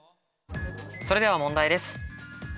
それでは問題です。